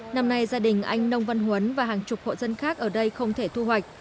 năm nay gia đình anh nông văn huấn và hàng chục hộ dân khác ở đây không thể thu hoạch